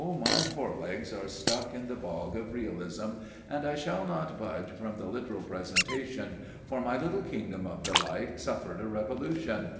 My forelegs are stuck in the bog of realism, and I shall not budge from the literal presentation, for my little kingdom of delight suffered a revolution!